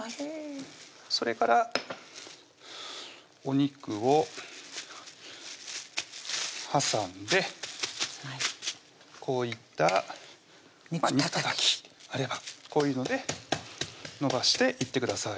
それからお肉を挟んでこういった肉たたきあればこういうので伸ばしていってください